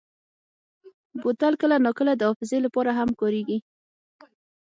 بوتل کله ناکله د حافظې لپاره هم کارېږي.